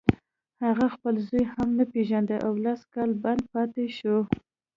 هغه خپل زوی هم نه پېژانده او لس کاله بند پاتې شو